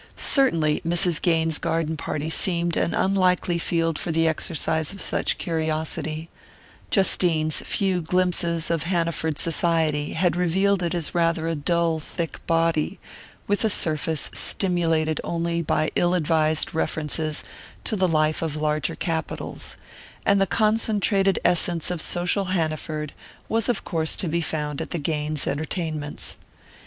Certainly, Mrs. Gaines's garden party seemed an unlikely field for the exercise of such curiosity: Justine's few glimpses of Hanaford society had revealed it as rather a dull thick body, with a surface stimulated only by ill advised references to the life of larger capitals; and the concentrated essence of social Hanaford was of course to be found at the Gaines entertainments.